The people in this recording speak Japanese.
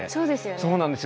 そうなんですよ。